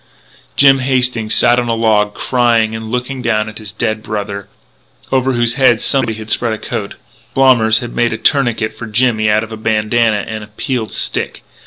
Jimmy Hastings sat on a log, crying and looking down at his dead brother, over whose head somebody had spread a coat. Blommers had made a tourniquet for Jimmy out of a bandanna and a peeled stick.